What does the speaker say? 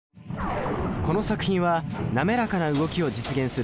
この作品は滑らかな動きを実現する